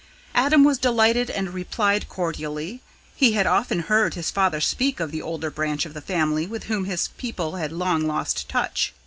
Adam was delighted and replied cordially; he had often heard his father speak of the older branch of the family with whom his people had long lost touch.